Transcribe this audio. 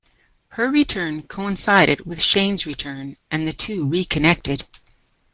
Her return coincided with Shane's return and the two reconnected.